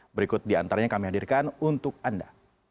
berikut di antaranya kami hadirkan untuk anda